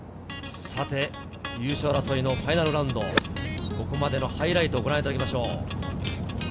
優勝争いのファイナルラウンド、ここまでのハイライトをご覧いただきましょう。